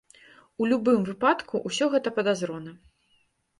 У любым выпадку, усё гэта падазрона.